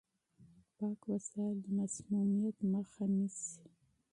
پاک وسايل د مسموميت مخه نيسي.